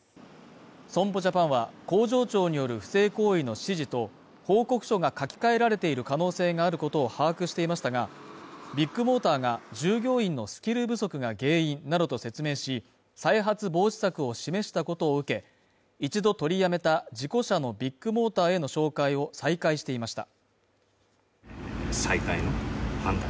損保ジャパンは工場長による不正行為の指示と報告書が書き換えられている可能性があることを把握していましたがビッグモーターが従業員のスキル不足が原因などと説明し再発防止策を示したことを受け一度取りやめた事故車のビッグモーターへの紹介を再開していました